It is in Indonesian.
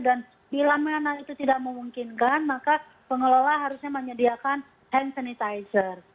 dan bila mana itu tidak memungkinkan maka pengelola harusnya menyediakan hand sanitizer